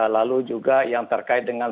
lalu juga yang terkait dengan